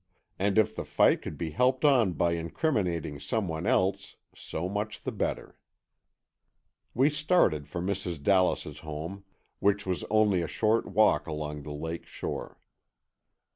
And if the fight could be helped on by incriminating some one else, so much the better. We started for Mrs. Dallas's home, which was only a short walk along the lake shore.